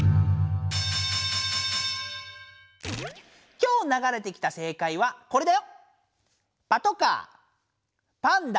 今日ながれてきた正解はこれだよ。